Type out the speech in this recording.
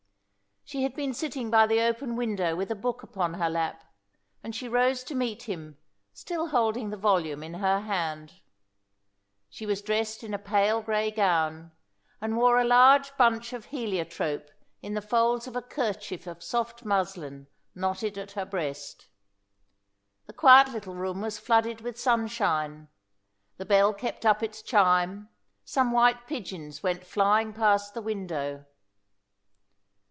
She had been sitting by the open window with a book upon her lap, and she rose to meet him, still holding the volume in her hand. She was dressed in a pale grey gown, and wore a large bunch of heliotrope in the folds of a kerchief of soft muslin knotted at her breast. The quiet little room was flooded with sunshine; the bell kept up its chime; some white pigeons went flying past the window.